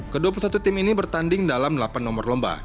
ke dua puluh satu tim ini bertanding dalam delapan nomor lomba